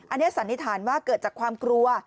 อันนี้สันนิษฐานว่าเกิดจากความกลัว